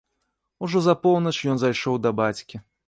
Ужо за поўнач ён зайшоў да бацькі.